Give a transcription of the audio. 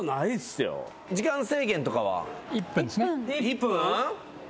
１分？